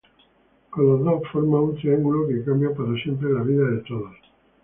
Con los dos, forma un triángulo que cambia para siempre la vida de todos.